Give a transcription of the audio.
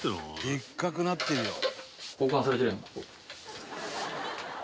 「でっかくなってるよ」